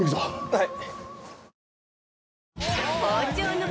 はい！